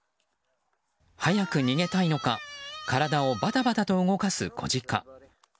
早く逃げたいのか体をバタバタと動かす子ジカ。